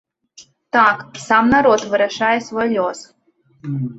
Так, сам народ вырашае свой лёс!